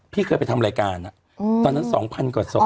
พี่เคยไปทำรายการตอนนั้น๒๐๐กว่าศพ